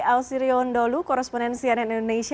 terima kasih ausriya undolu korrespondensi ann indonesia